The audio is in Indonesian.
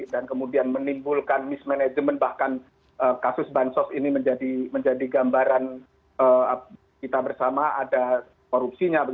dan kemudian menimbulkan mismanagement bahkan kasus bansos ini menjadi gambaran kita bersama ada korupsinya